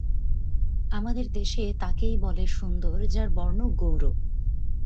আমাদের দেশে তাকেই বলে সুন্দর যার বর্ণ গৌর।